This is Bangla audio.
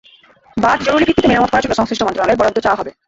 বাঁধ জরুরি ভিত্তিতে মেরামত করার জন্য সংশ্লিষ্ট মন্ত্রণালয়ে বরাদ্দ চাওয়া হবে।